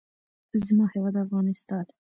زما هېواد افغانستان.